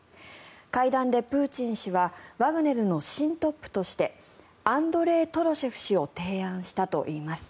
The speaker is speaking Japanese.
会談でプーチン氏はワグネルの新トップとしてアンドレイ・トロシェフ氏を提案したといいます。